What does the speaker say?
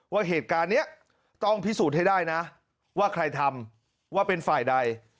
ว่าเหตุการณ์นี้ต้องพิสูจน์ให้ได้นะว่าใครทำว่าเป็นฝ่ายใด